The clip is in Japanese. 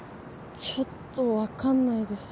ちょっと分かんないです。